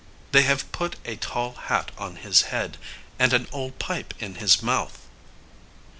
They have put a tall hat on his head, and an old pipe in his mouth.